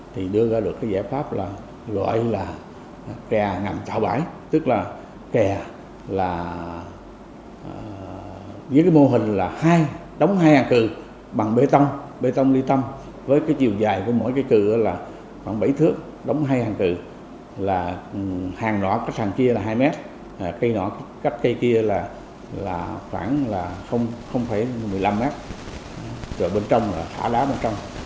ngoài ra được giải pháp gọi là kè ngầm tạo bãi tức là kè với mô hình đóng hai hàng cừ bằng bê tông bê tông ly tông với chiều dài của mỗi cừ là khoảng bảy thước đóng hai hàng cừ hàng nọ cách hàng kia là hai mét cây nọ cách cây kia là khoảng một mươi năm mét rồi bên trong là thả đá bên trong